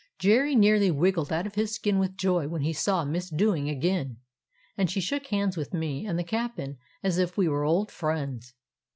Jerry nearly wriggled out of his skin with joy when he saw Miss Dewing again; and she shook hands with me and the cap'n as if we were old friends.